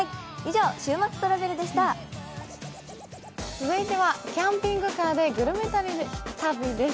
続いては「キャンピングカーでグルメ旅」です。